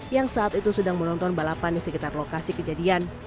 yang saat itu sedang menonton balapan di sekitar lokasi kejadian